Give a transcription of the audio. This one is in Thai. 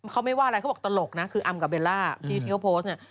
เขาไม่ว่าอะไรเขาบอกตลกนะคืออำกับเบลล่าที่เขาโพสต์เนี่ย